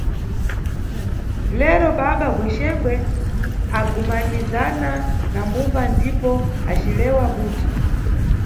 Lero, baba Gwexengwe agumanizana na mbumba ndipo acilewa kuti.